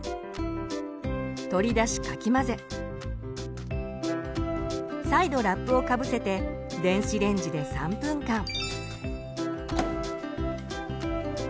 取り出しかき混ぜ再度ラップをかぶせて電子レンジで３分間。